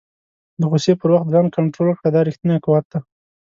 د غوسې پر وخت ځان کنټرول کړه، دا ریښتنی قوت دی.